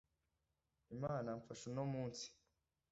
imana mfasha uno munsi